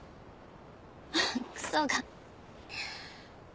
クソが。